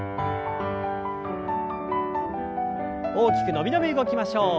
大きく伸び伸び動きましょう。